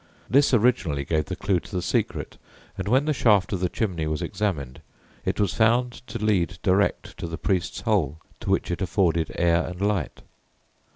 This originally gave the clue to the secret, and when the shaft of the chimney was examined, it was found to lead direct to the priest's hole, to which it afforded air and light.